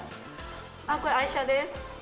これ、愛車です。